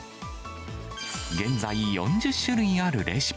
現在４０種類あるレシピ。